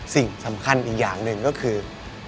สิ่งสำคัญอีกอย่างหนึ่งก็คือ